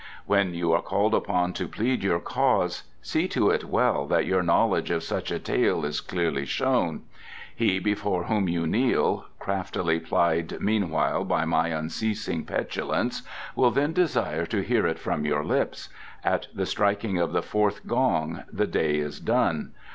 When you are called upon to plead your cause, see to it well that your knowledge of such a tale is clearly shown. He before whom you kneel, craftily plied meanwhile by my unceasing petulance, will then desire to hear it from your lips ... At the striking of the fourth gong the day is done.